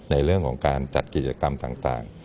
ในเรื่องของการจัดกิจกรรมต่าง